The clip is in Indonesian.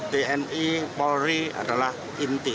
tni polri adalah inti